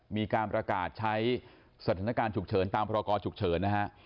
มีการประกาศใช้สถานการณ์ฉุกเฉินตามพรกรฉุกเฉินนะฮะ